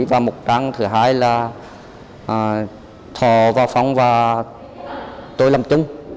và một trang thứ hai là thọ và phong và tôi làm chứng